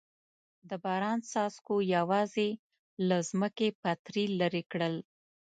د باران څاڅکو یوازې له ځمکې پتري لرې کړل.